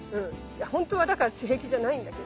本当はだから平気じゃないんだけど。